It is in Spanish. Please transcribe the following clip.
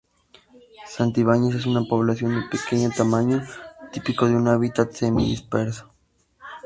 Santibáñez es una población de pequeño tamaño, típico de un hábitat semi-disperso.